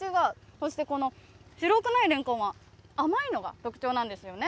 そしてこの白くないレンコンは、甘いのが特徴なんですよね。